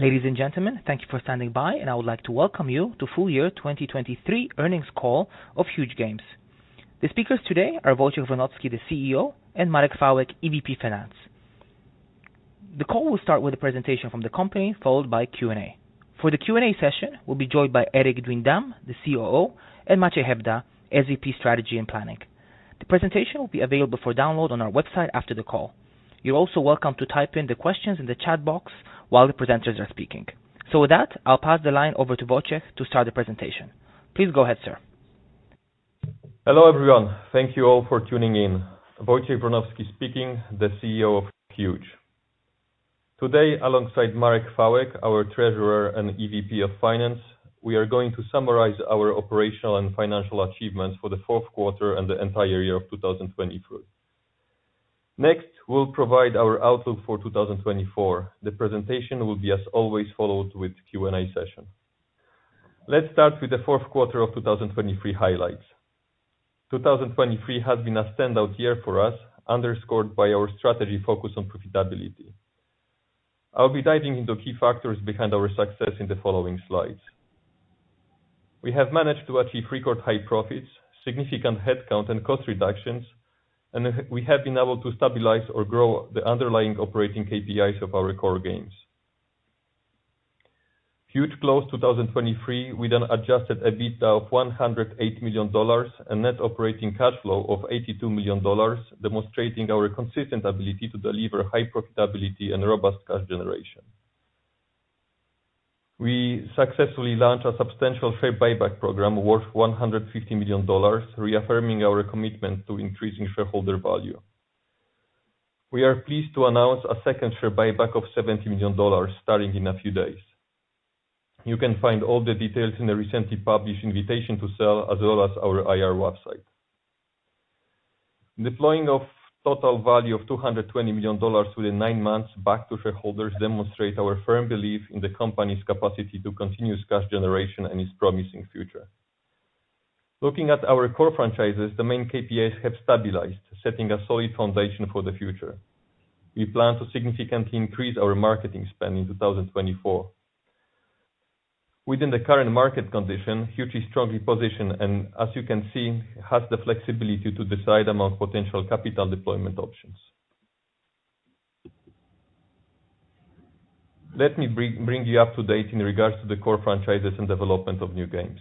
Ladies and gentlemen, thank you for standing by, and I would like to welcome you to Full Year 2023 Earnings Call of Huuuge Games. The speakers today are Wojciech Wronowski, the CEO, and Marek Chwałek, EVP Finance. The call will start with a presentation from the company, followed by Q&A. For the Q&A session, we'll be joined by Erik Duindam, the COO, and Maciej Hebda, SVP Strategy and Planning. The presentation will be available for download on our website after the call. You're also welcome to type in the questions in the chat box while the presenters are speaking. So with that, I'll pass the line over to Wojciech to start the presentation. Please go ahead, sir. Hello everyone, thank you all for tuning in. Wojciech Wronowski speaking, the CEO of Huuuge. Today, alongside Marek Chwałek, our Treasurer and EVP of Finance, we are going to summarize our operational and financial achievements for the fourth quarter and the entire year of 2023. Next, we'll provide our outlook for 2024. The presentation will be, as always, followed with a Q&A session. Let's start with the fourth quarter of 2023 highlights. 2023 has been a standout year for us, underscored by our strategy focus on profitability. I'll be diving into key factors behind our success in the following slides. We have managed to achieve record high profits, significant headcount and cost reductions, and we have been able to stabilize or grow the underlying operating KPIs of our core games. Huuuge closed 2023 with an Adjusted EBITDA of $108 million and net operating cash flow of $82 million, demonstrating our consistent ability to deliver high profitability and robust cash generation. We successfully launched a substantial share Buyback program worth $150 million, reaffirming our commitment to increasing shareholder value. We are pleased to announce a second share buyback of $70 million starting in a few days. You can find all the details in a recently published invitation to sell, as well as our IR website. Deploying a total value of $220 million within nine months back to shareholders demonstrates our firm belief in the company's capacity to continue cash generation and its promising future. Looking at our core franchises, the main KPIs have stabilized, setting a solid foundation for the future. We plan to significantly increase our marketing spend in 2024. Within the current market condition, Huuuge is strongly positioned and, as you can see, has the flexibility to decide among potential capital deployment options. Let me bring you up to date in regards to the core franchises and development of new games.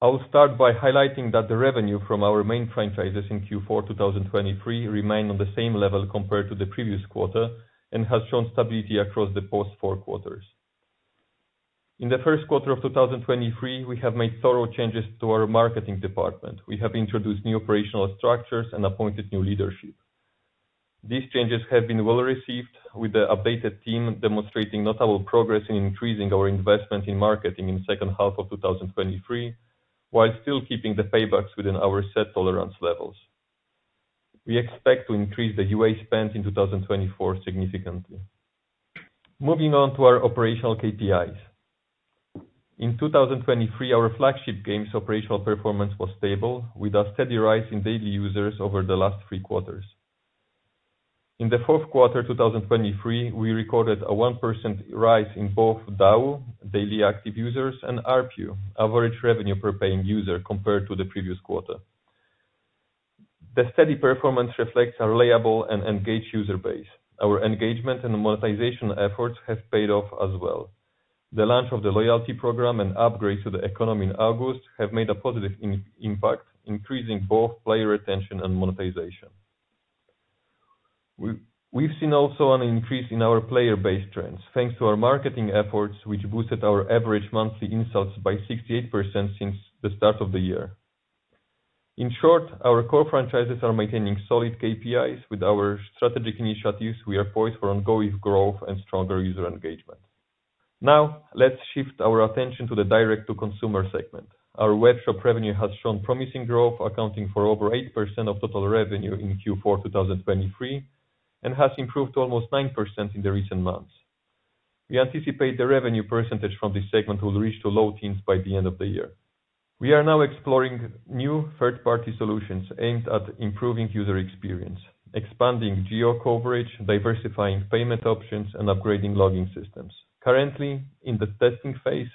I'll start by highlighting that the revenue from our main franchises in Q4 2023 remained on the same level compared to the previous quarter and has shown stability across the past four quarters. In the first quarter of 2023, we have made thorough changes to our marketing department. We have introduced new operational structures and appointed new leadership. These changes have been well received, with the updated team demonstrating notable progress in increasing our investment in marketing in the second half of 2023 while still keeping the paybacks within our set tolerance levels. We expect to increase the UA spend in 2024 significantly. Moving on to our operational KPIs. In 2023, our flagship game's operational performance was stable, with a steady rise in daily users over the last 3 quarters. In the fourth quarter 2023, we recorded a 1% rise in both DAU, daily active users, and RPU, average revenue per paying user, compared to the previous quarter. The steady performance reflects our loyal and engaged user base. Our engagement and monetization efforts have paid off as well. The launch of the loyalty program and upgrade to the economy in August have made a positive impact, increasing both player retention and monetization. We've seen also an increase in our player base trends, thanks to our marketing efforts, which boosted our average monthly installs by 68% since the start of the year. In short, our core franchises are maintaining solid KPIs. With our strategic initiatives, we are poised for ongoing growth and stronger user engagement. Now, let's shift our attention to the direct-to-consumer segment. Our webshop revenue has shown promising growth, accounting for over 8% of total revenue in Q4 2023, and has improved to almost 9% in the recent months. We anticipate the revenue percentage from this segment will reach low teens by the end of the year. We are now exploring new third-party solutions aimed at improving user experience, expanding geo-coverage, diversifying payment options, and upgrading logging systems. Currently, in the testing phase,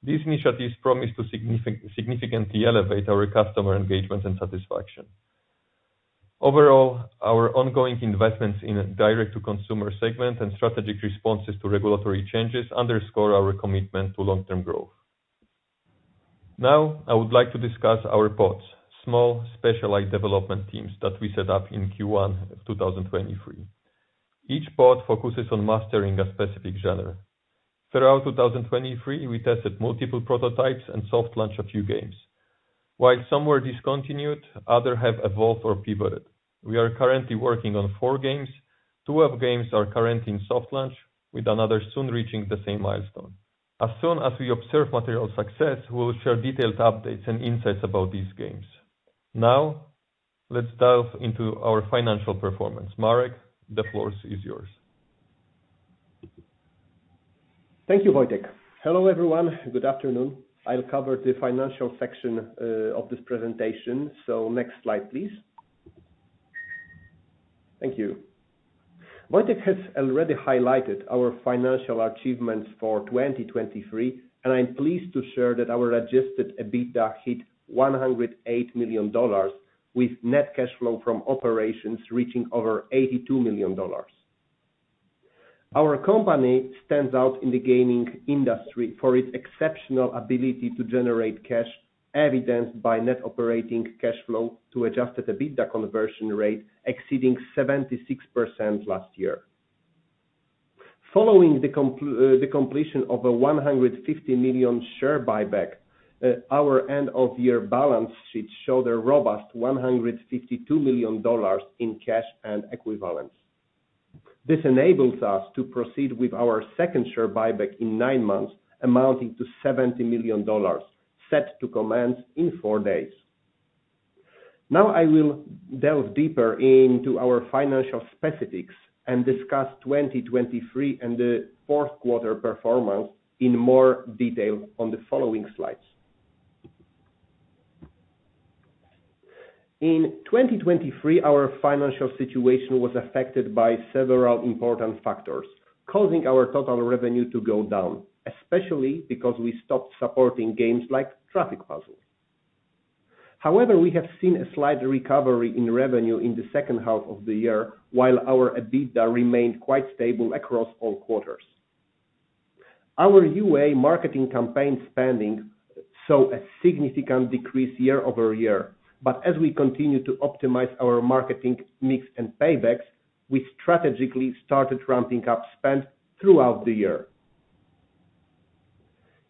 these initiatives promise to significantly elevate our customer engagement and satisfaction. Overall, our ongoing investments in the direct-to-consumer segment and strategic responses to regulatory changes underscore our commitment to long-term growth. Now, I would like to discuss our pods, small specialized development teams that we set up in Q1 of 2023. Each pod focuses on mastering a specific genre. Throughout 2023, we tested multiple prototypes and soft-launched a few games. While some were discontinued, others have evolved or pivoted. We are currently working on four games. two of the games are currently in soft-launch, with another soon reaching the same milestone. As soon as we observe material success, we will share detailed updates and insights about these games. Now, let's delve into our financial performance. Marek, the floor is yours. Thank you, Wojciech. Hello everyone, good afternoon. I'll cover the financial section of this presentation. Next slide, please. Thank you. Wojciech has already highlighted our financial achievements for 2023, and I'm pleased to share that our Adjusted EBITDA hit $108 million, with net cash flow from operations reaching over $82 million. Our company stands out in the gaming industry for its exceptional ability to generate cash, evidenced by net operating cash flow to Adjusted EBITDA conversion rate exceeding 76% last year. Following the completion of a $150 million Share Buyback, our end-of-year balance sheet showed a robust $152 million in cash and equivalents. This enables us to proceed with our second Share Buyback in nine months, amounting to $70 million, set to commence in four days. Now, I will delve deeper into our financial specifics and discuss 2023 and the fourth quarter performance in more detail on the following slides. In 2023, our financial situation was affected by several important factors, causing our total revenue to go down, especially because we stopped supporting games like Traffic Puzzle. However, we have seen a slight recovery in revenue in the second half of the year, while our EBITDA remained quite stable across all quarters. Our UA marketing campaign spending saw a significant decrease year over year, but as we continue to optimize our marketing mix and paybacks, we strategically started ramping up spend throughout the year.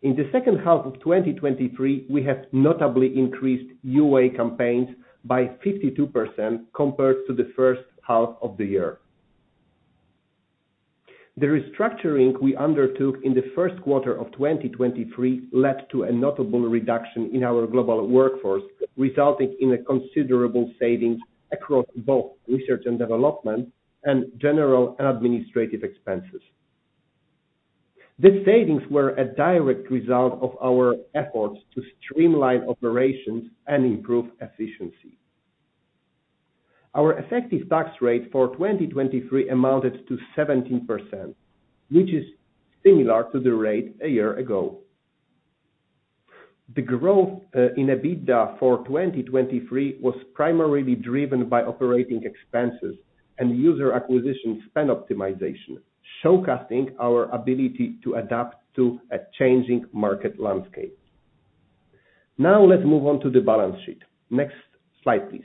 In the second half of 2023, we have notably increased UA campaigns by 52% compared to the first half of the year. The restructuring we undertook in the first quarter of 2023 led to a notable reduction in our global workforce, resulting in considerable savings across both research and development and general administrative expenses. These savings were a direct result of our efforts to streamline operations and improve efficiency. Our effective tax rate for 2023 amounted to 17%, which is similar to the rate a year ago. The growth in EBITDA for 2023 was primarily driven by operating expenses and user acquisition spend optimization, showcasing our ability to adapt to a changing market landscape. Now, let's move on to the balance sheet. Next slide, please.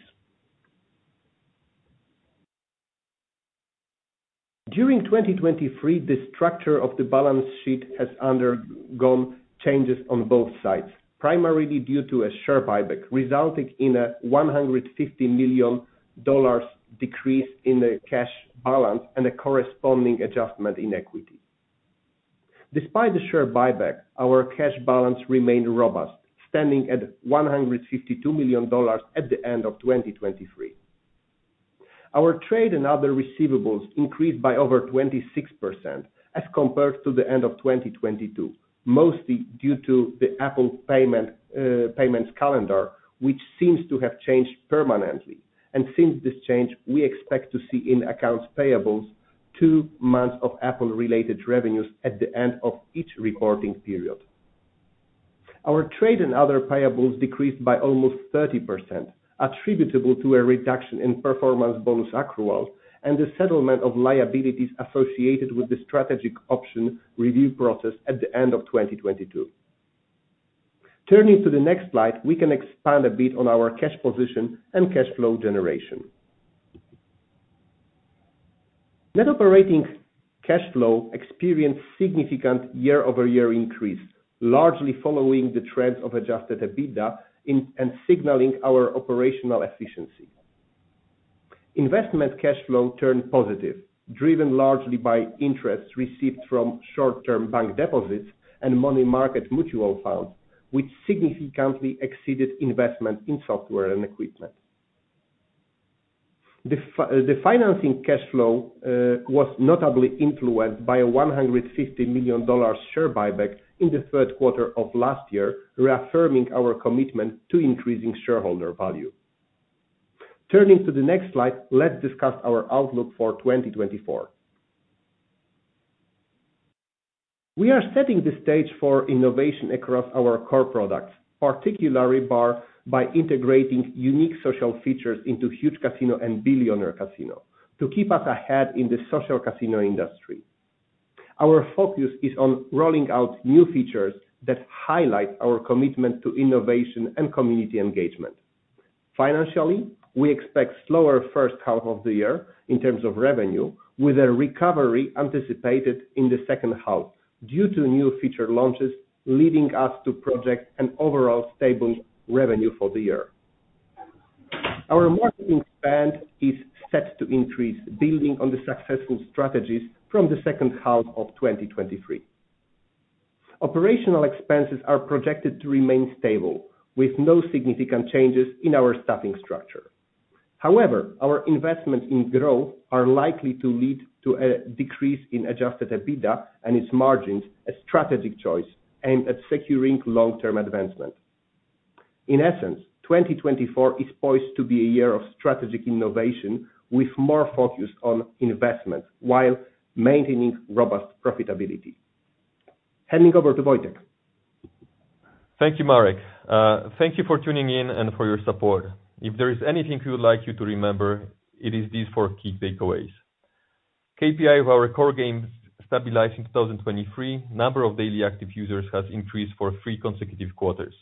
During 2023, the structure of the balance sheet has undergone changes on both sides, primarily due to a share buyback resulting in a $150 million decrease in the cash balance and a corresponding adjustment in equity. Despite the share buyback, our cash balance remained robust, standing at $152 million at the end of 2023. Our trade and other receivables increased by over 26% as compared to the end of 2022, mostly due to the Apple payments calendar, which seems to have changed permanently. Since this change, we expect to see in accounts payables two months of Apple-related revenues at the end of each reporting period. Our trade and other payables decreased by almost 30%, attributable to a reduction in performance bonus accruals and the settlement of liabilities associated with the strategic option review process at the end of 2022. Turning to the next slide, we can expand a bit on our cash position and cash flow generation. Net operating cash flow experienced a significant year-over-year increase, largely following the trends of adjusted EBITDA and signaling our operational efficiency. Investment cash flow turned positive, driven largely by interest received from short-term bank deposits and money market mutual funds, which significantly exceeded investment in software and equipment. The financing cash flow was notably influenced by a $150 million share buyback in the third quarter of last year, reaffirming our commitment to increasing shareholder value. Turning to the next slide, let's discuss our outlook for 2024. We are setting the stage for innovation across our core products, particularly by integrating unique social features into Huuuge Casino and Billionaire Casino to keep us ahead in the social casino industry. Our focus is on rolling out new features that highlight our commitment to innovation and community engagement. Financially, we expect a slower first half of the year in terms of revenue, with a recovery anticipated in the second half due to new feature launches, leading us to project an overall stable revenue for the year. Our marketing spend is set to increase, building on the successful strategies from the second half of 2023. Operational expenses are projected to remain stable, with no significant changes in our staffing structure. However, our investments in growth are likely to lead to a decrease in Adjusted EBITDA and its margins, a strategic choice aimed at securing long-term advancement. In essence, 2024 is poised to be a year of strategic innovation, with more focus on investments while maintaining robust profitability. Handing over to Wojciech. Thank you, Marek. Thank you for tuning in and for your support. If there is anything we would like you to remember, it is these four key takeaways. KPI of our core games stabilized in 2023. The number of daily active users has increased for three consecutive quarters.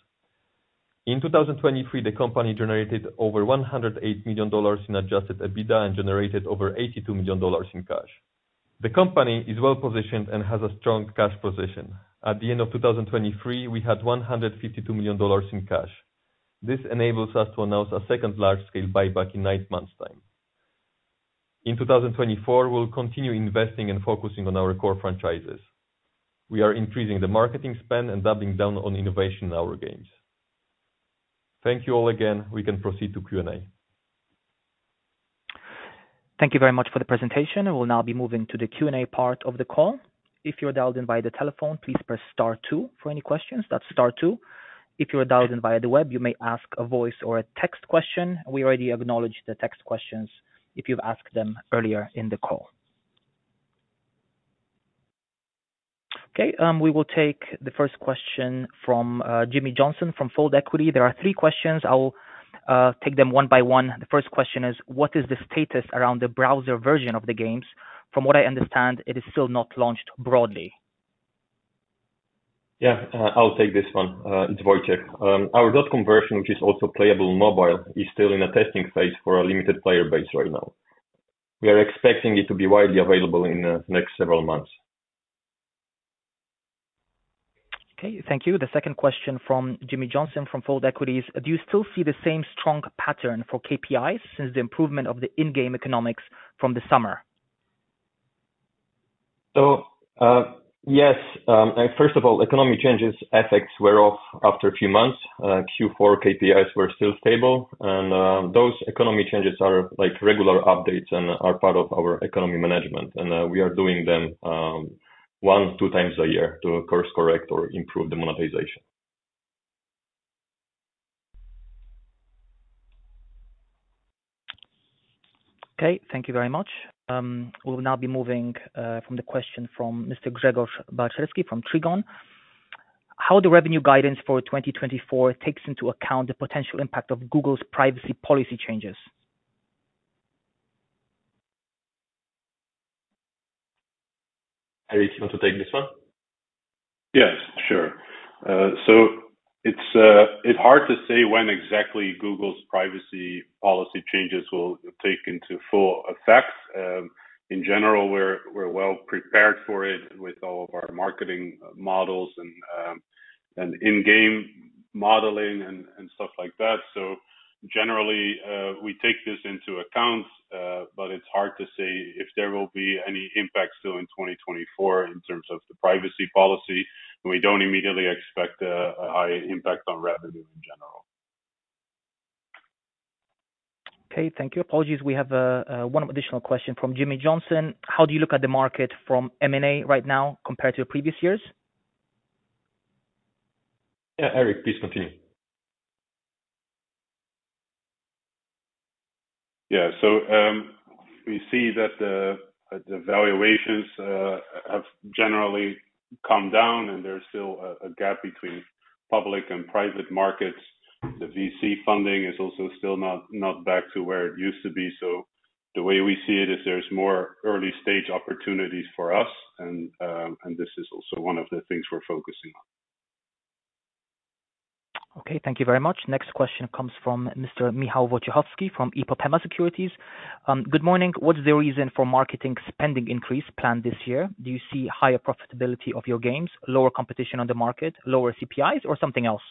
In 2023, the company generated over $108 million in adjusted EBITDA and generated over $82 million in cash. The company is well positioned and has a strong cash position. At the end of 2023, we had $152 million in cash. This enables us to announce a second large-scale buyback in nine months' time. In 2024, we'll continue investing and focusing on our core franchises. We are increasing the marketing spend and doubling down on innovation in our games. Thank you all again. We can proceed to Q&A. Thank you very much for the presentation. We'll now be moving to the Q&A part of the call. If you're dialed in via the telephone, please press Star two for any questions. That's Star two. If you're dialed in via the web, you may ask a voice or a text question. We already acknowledged the text questions if you've asked them earlier in the call. Okay, we will take the first question from Jamie Johnson from Volt Equity. There are three questions. I'll take them one by one. The first question is, what is the status around the browser version of the games? From what I understand, it is still not launched broadly. Yeah, I'll take this one. It's Wojciech. Our dot-com version, which is also playable on mobile, is still in a testing phase for a limited player base right now. We are expecting it to be widely available in the next several months. Okay, thank you. The second question from Jamie Johnson from Volt Equity is, do you still see the same strong pattern for KPIs since the improvement of the in-game economics from the summer? So yes. First of all, economy changes effects were off after a few months. Q4 KPIs were still stable, and those economy changes are regular updates and are part of our economy management. We are doing them 1-2 times a year to course-correct or improve the monetization. Okay, thank you very much. We'll now be moving from the question from Mr. Grzegorz Balczewski from Trigon. How does revenue guidance for 2024 take into account the potential impact of Google's privacy policy changes? Erik, you want to take this one? Yes, sure. It's hard to say when exactly Google's privacy policy changes will take into full effect. In general, we're well prepared for it with all of our marketing models and in-game modeling and stuff like that. Generally, we take this into account, but it's hard to say if there will be any impact still in 2024 in terms of the privacy policy. We don't immediately expect a high impact on revenue in general. Okay, thank you. Apologies, we have one additional question from Jamie Johnson. How do you look at the market from M&A right now compared to previous years? Yeah, Erik, please continue. Yeah, so we see that the valuations have generally come down, and there's still a gap between public and private markets. The VC funding is also still not back to where it used to be. So the way we see it is there's more early-stage opportunities for us, and this is also one of the things we're focusing on. Okay, thank you very much. Next question comes from Mr. Michał Wojciechowski from Ipopema Securities. Good morning. What's the reason for marketing spending increase planned this year? Do you see higher profitability of your games, lower competition on the market, lower CPIs, or something else?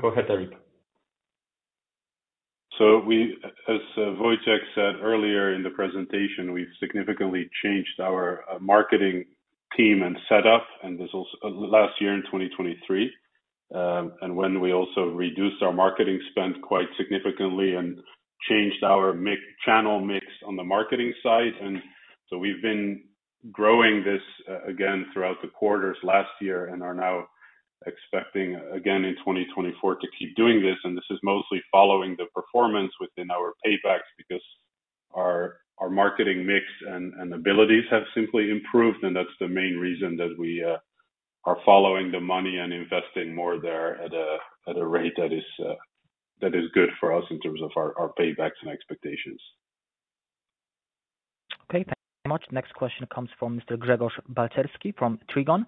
Go ahead, Erik. So as Wojciech said earlier in the presentation, we've significantly changed our marketing team and setup, and this was last year in 2023. When we also reduced our marketing spend quite significantly and changed our channel mix on the marketing side. So we've been growing this again throughout the quarters last year and are now expecting, again, in 2024, to keep doing this. This is mostly following the performance within our paybacks because our marketing mix and abilities have simply improved. That's the main reason that we are following the money and investing more there at a rate that is good for us in terms of our paybacks and expectations. Okay, thank you very much. Next question comes from Mr. Grzegorz Balczewski from Trigon.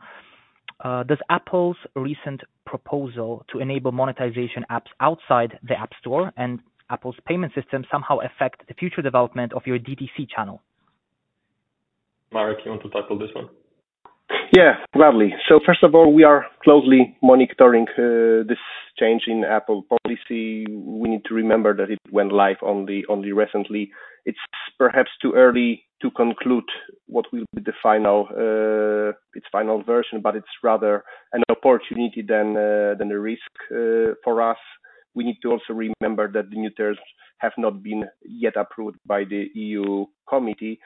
Does Apple's recent proposal to enable monetization apps outside the App Store and Apple's payment system somehow affect the future development of your DTC channel? Marek, you want to tackle this one? Yeah, gladly. So first of all, we are closely monitoring this change in Apple policy. We need to remember that it went live only recently. It's perhaps too early to conclude what will be its final version, but it's rather an opportunity than a risk for us. We need to also remember that the new terms have not been yet approved by the EU Committee.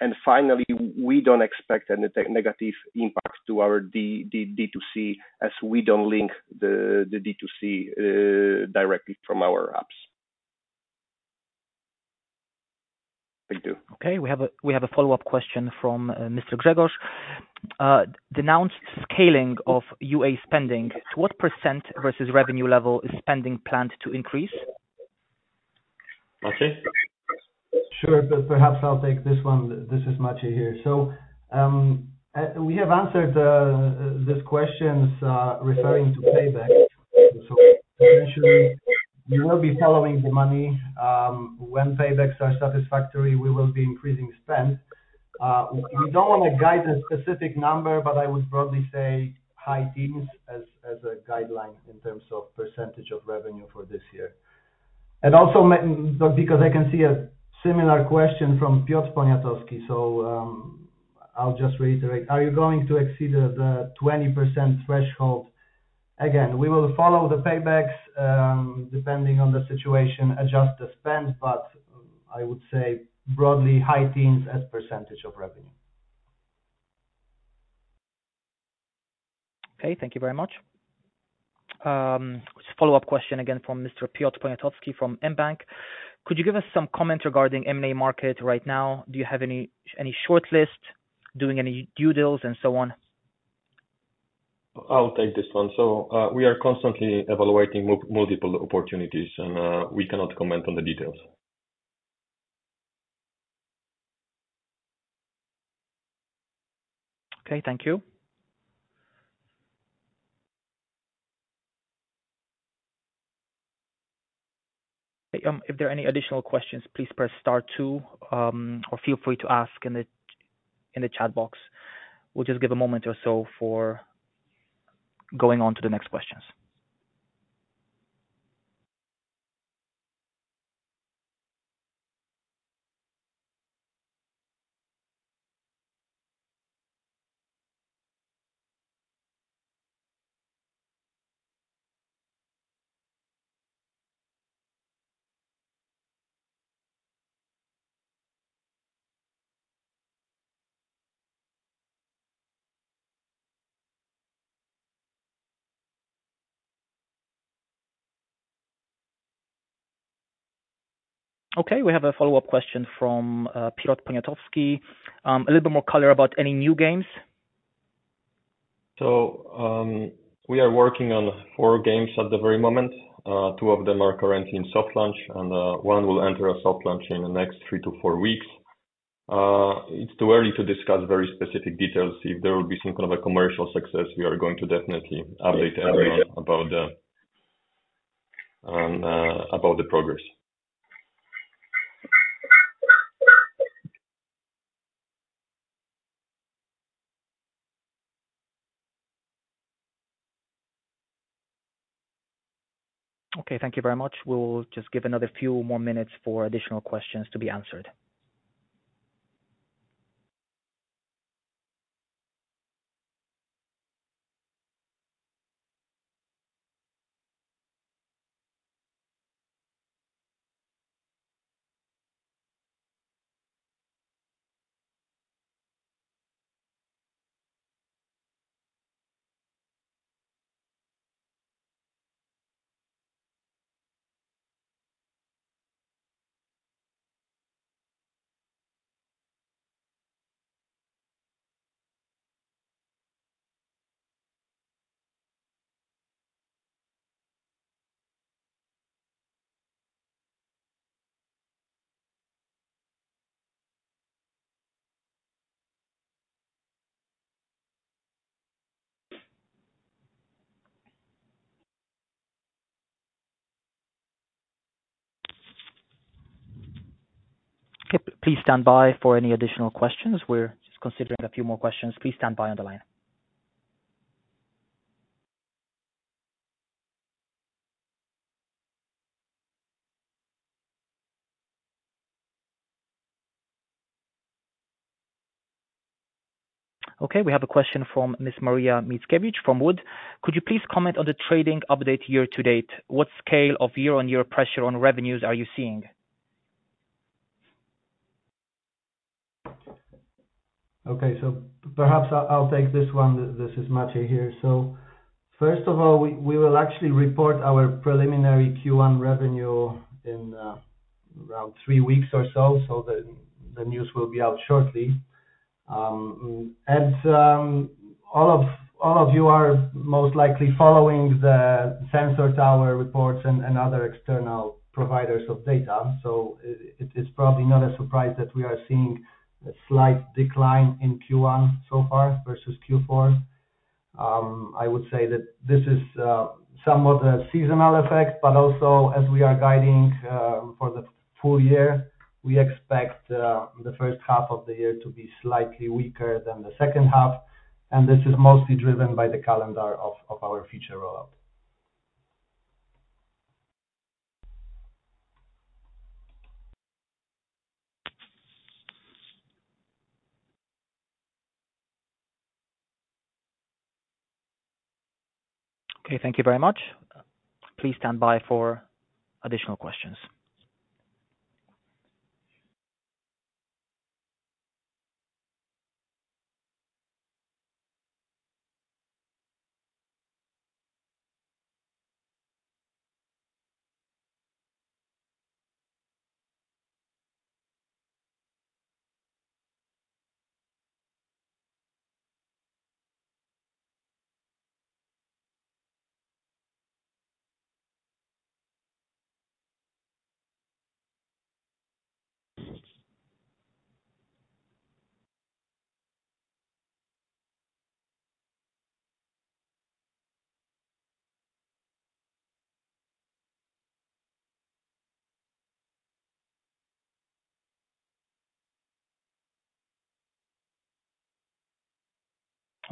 And finally, we don't expect any negative impact to our DTC as we don't link the DTC directly from our apps. Thank you. Okay, we have a follow-up question from Mr. Grzegorz. Intended scaling of UA spending, to what % versus revenue level is spending planned to increase? Maciej? Sure, but perhaps I'll take this one. This is Maciej here. So we have answered these questions referring to paybacks. So essentially, we will be following the money. When paybacks are satisfactory, we will be increasing spend. We don't want to guide a specific number, but I would broadly say high teens as a guideline in terms of percentage of revenue for this year. And also because I can see a similar question from Piotr Poniatowski, so I'll just reiterate. Are you going to exceed the 20% threshold? Again, we will follow the paybacks depending on the situation, adjust the spend, but I would say broadly high teens as percentage of revenue. Okay, thank you very much. It's a follow-up question again from Mr. Piotr Poniatowski from mBank. Could you give us some comment regarding M&A market right now? Do you have any shortlist, doing any due deals, and so on? I'll take this one. We are constantly evaluating multiple opportunities, and we cannot comment on the details. Okay, thank you. If there are any additional questions, please press Star two or feel free to ask in the chat box. We'll just give a moment or so for going on to the next questions. Okay, we have a follow-up question from Piotr Poniatowski. A little bit more color about any new games? So we are working on four games at the very moment. Two of them are currently in soft-launch, and one will enter a soft-launch in the next three to four weeks. It's too early to discuss very specific details. If there will be some kind of a commercial success, we are going to definitely update everyone about the progress. Okay, thank you very much. We'll just give another few more minutes for additional questions to be answered. Please stand by for any additional questions. We're just considering a few more questions. Please stand by on the line. Okay, we have a question from Ms. Maria Mickiewicz from Wood. Could you please comment on the trading update year to date? What scale of year-on-year pressure on revenues are you seeing? Okay, so perhaps I'll take this one. This is Maciej here. So first of all, we will actually report our preliminary Q1 revenue in around three weeks or so, so the news will be out shortly. And all of you are most likely following the Sensor Tower reports and other external providers of data, so it's probably not a surprise that we are seeing a slight decline in Q1 so far versus Q4. I would say that this is somewhat a seasonal effect, but also as we are guiding for the full year, we expect the first half of the year to be slightly weaker than the second half. And this is mostly driven by the calendar of our future rollout. Okay, thank you very much. Please stand by for additional questions.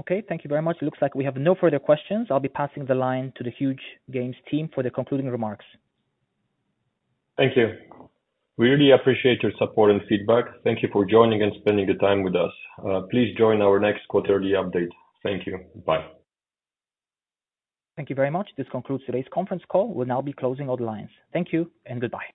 Okay, thank you very much. It looks like we have no further questions. I'll be passing the line to the Huuuge Games team for their concluding remarks. Thank you. We really appreciate your support and feedback. Thank you for joining and spending the time with us. Please join our next quarterly update. Thank you. Bye. Thank you very much. This concludes today's conference call. We'll now be closing all the lines. Thank you and goodbye.